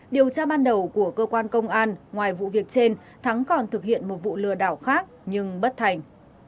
điều tra ban đầu của cơ quan công an ngoài vụ việc trên thắng còn thực hiện một vụ lừa đảo khác nhưng bất thành